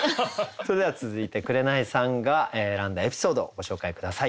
それでは続いて紅さんが選んだエピソードをご紹介下さい。